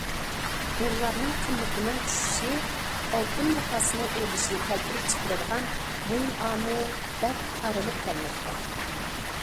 دوللارنىڭ قىممىتىنىڭ چۈشۈشى ئالتۇن باھاسىنىڭ ئۆرلىشىنى كەلتۈرۈپ چىقىرىدىغان مۇھىم ئامىل، دەپ قارىلىپ كەلمەكتە.